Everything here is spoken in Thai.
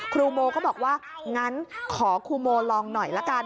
ครูโมก็บอกว่างั้นขอครูโมลองหน่อยละกัน